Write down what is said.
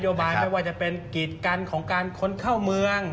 โยบายไม่ว่าจะเป็นกิจกันของการคนเข้าเมือง